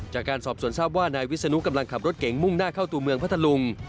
จากการสอบส่วนทราบว่านายวิศนุกำลังขับรถเก่งมุ่งหน้าเข้าตัวเมืองพัทธลุง